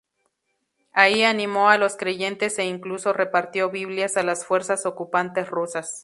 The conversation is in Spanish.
Ahí animó a los creyentes e incluso repartió Biblias a las fuerzas ocupantes rusas.